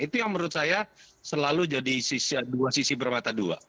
itu yang menurut saya selalu jadi dua sisi bermata dua